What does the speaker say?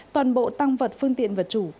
toàn bộ tăng vật phương tiện vật chủ